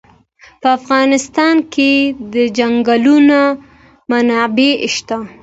په افغانستان کې د ځنګلونه منابع شته.